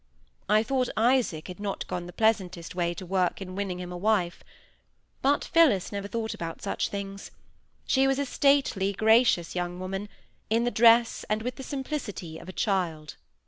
I thought Isaac had not gone the pleasantest way to work in winning him a wife. But Phillis never thought about such things. She was a stately, gracious young woman, in the dress and with the simplicity of a child.